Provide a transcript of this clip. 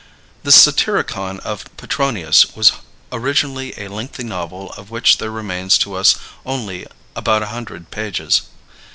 The "Satyricon" of Petronius was originally a lengthy novel of which there remains to us only about a hundred pages.